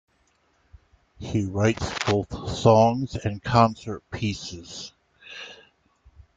He writes both songs and concert pieces.